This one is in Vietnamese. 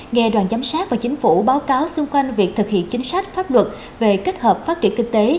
nghe đoàn giám sát và chính phủ báo cáo xung quanh việc thực hiện chính sách pháp luật về kết hợp phát triển kinh tế